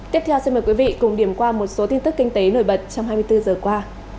tiếp theo xin mời quý vị cùng điểm qua một số tin tức kinh tế nổi bật trong hai mươi bốn giờ qua